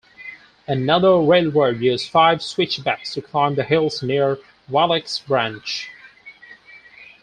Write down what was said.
Another railroad used five switchbacks to climb the hills near Wallacks Branch.